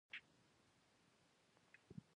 پر وطن باندي موږ تېر تر سر او تن یو.